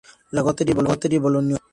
La Gonterie-Boulouneix